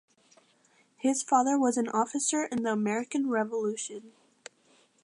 His father was an officer in the American Revolution.